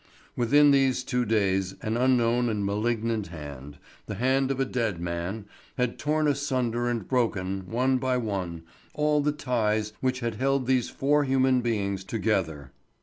Within these two days an unknown and malignant hand, the hand of a dead man, had torn asunder and broken, one by one, all the ties which had held these four human beings together.